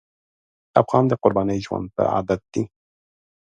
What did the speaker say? افغان د قربانۍ ژوند ته عادت دی.